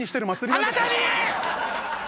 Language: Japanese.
あなたに！